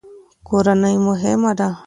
کورنۍ مهمه ده.